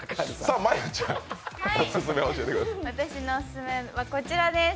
私のオススメは、こちらです。